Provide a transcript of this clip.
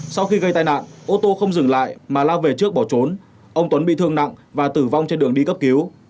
sau khi gây tai nạn ô tô không dừng lại mà lao về trước bỏ trốn ông tuấn bị thương nặng và tử vong trên đường đi cấp cứu